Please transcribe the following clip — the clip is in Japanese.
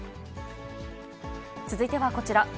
続いてはこちら。